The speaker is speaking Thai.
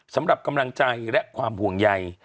สำหรับกำลังใจและความห่วงใย